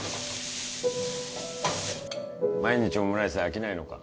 毎日オムライス飽きないのか？